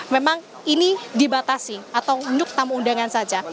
memang ini dibatasi atau untuk tamu undangan saja